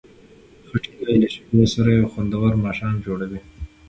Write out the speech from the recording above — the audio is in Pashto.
خټکی له شیدو سره یو خوندور ماښام جوړوي.